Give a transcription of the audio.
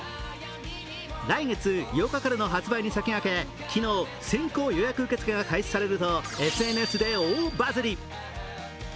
来月８日からの発売に先駆け、昨日、先行予約受け付けが開始されるとＳＮＳで大バズり。